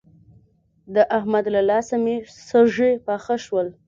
د احمد له لاسه مې سږي پاخه شول.